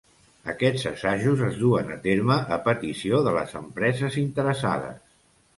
Aquests assajos es duen a terme a petició de les empreses interessades.